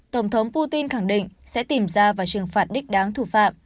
tổng thống putin khẳng định sẽ tìm ra và trừng phạt đích đáng thủ phạm